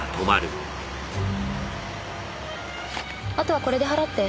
あとはこれで払って。